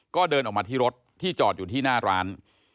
ก็เดินออกมาที่รถที่จอดอยู่ที่หน้าร้าน